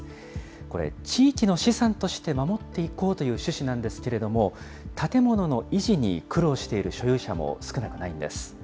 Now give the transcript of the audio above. これ、地域の資産として守っていこうという趣旨なんですけれども、建物の維持に苦労している所有者も少なくないんです。